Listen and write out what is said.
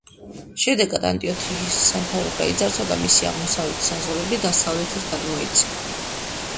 შედეგად ანტიოქიის სამთავრო გაიძარცვა და მისი აღმოსავლეთ საზღვრები დასავლეთით გადმოიწია.